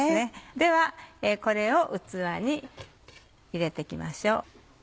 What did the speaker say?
ではこれを器に入れて行きましょう。